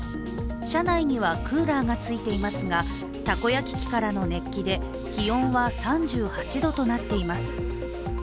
車内にはクーラーがついていますが、たこ焼き器からの熱気で気温は３８度となっています。